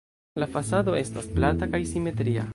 La fasado estas plata kaj simetria.